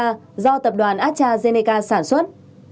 vaccine astrazeneca do tập đoàn astrazeneca sản xuất